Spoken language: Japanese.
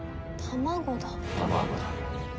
卵だ。